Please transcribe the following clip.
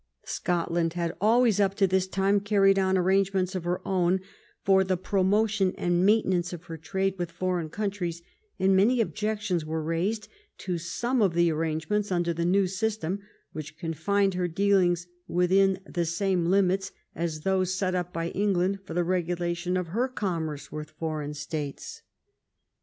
Scotland had always up to this time carried on arrangements of her own for the promotion and main tenance of her trade with foreign countries, and many objections were raised to some of the arrangements under the new system which confined her dealings with in the same limits as those set up by England for the regulation of her commerce with foreign states.